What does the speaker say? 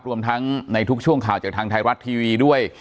รวมทั้งในทุกช่วงข่าวจากทางไทยรัฐทีวีด้วย